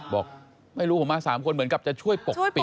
บอกไม่รู้ผมมา๓คนเหมือนกับจะช่วยปกปิด